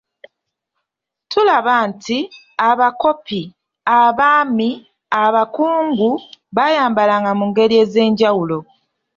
Tulaba nti, abakopi, abaami, abakungu, bayambalanga mungeri ezenjawulo.